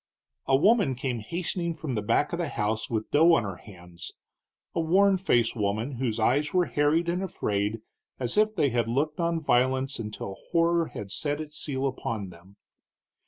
A woman came hastening from the back of the house with dough on her hands, a worn faced woman, whose eyes were harried and afraid as if they had looked on violence until horror had set its seal upon them.